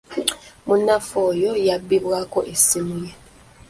Munnaffe omu yabbibwako essimu ye.